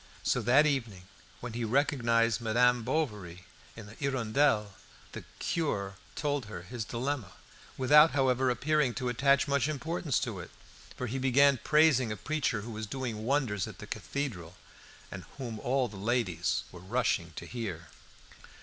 So that evening, when he recognised Madame Bovary in the "Hirondelle," the cure told her his dilemma, without, however, appearing to attach much importance to it, for he began praising a preacher who was doing wonders at the Cathedral, and whom all the ladies were rushing to hear.